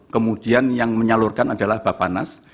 kemudian yang menyalurkan adalah bapanas